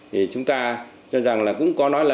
thì chúng ta cho rằng là cũng có nói là